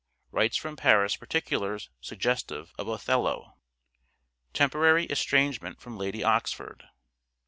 Writes from Paris particulars suggestive of " Othello." Temporary estrangement from Lady Oxford.